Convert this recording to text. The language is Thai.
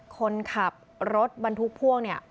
คนขับรถบรรทุกพวก